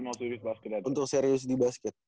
untuk serius di basket